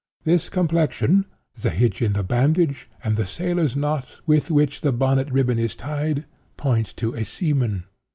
This complexion, the 'hitch' in the bandage, and the 'sailor's knot,' with which the bonnet ribbon is tied, point to a seaman.